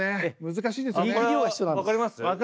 難しいですよね。